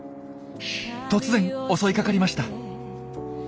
突然襲いかかりました。